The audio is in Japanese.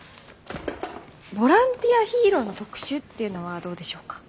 ボランティアヒーローの特集っていうのはどうでしょうか。